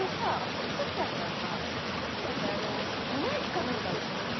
福ちゃんがさ何だっけ『粉雪』か何か歌ってさ